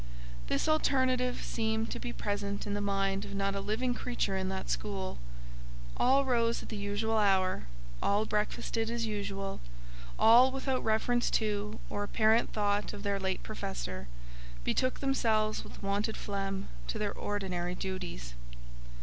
This alternative seemed to be present in the mind of not a living creature in that school. All rose at the usual hour; all breakfasted as usual; all, without reference to, or apparent thought of their late Professor, betook themselves with wonted phlegm to their ordinary duties.